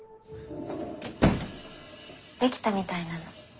できたみたいなの。